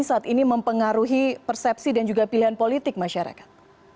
saat ini mempengaruhi persepsi dan juga pilihan politik masyarakat